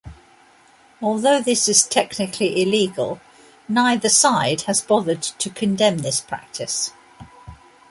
Although this is technically illegal, neither side has bothered to condemn this practice.